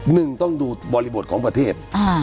หนึ่งต้องดูบริบทของประเทศ